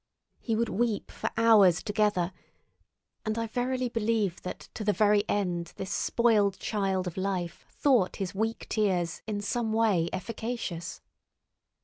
He would weep for hours together, and I verily believe that to the very end this spoiled child of life thought his weak tears in some way efficacious.